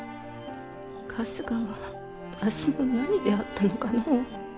春日はわしの何であったのかの。